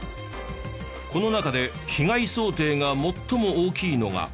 この中で被害想定が最も大きいのが。